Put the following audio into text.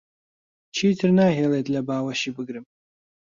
چیتر ناهێڵێت لە باوەشی بگرم.